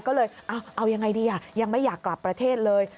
ก็เลยเอายังไงดียังไม่อยากกลับประเทศเลย